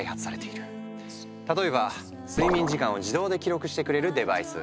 例えば睡眠時間を自動で記録してくれるデバイス。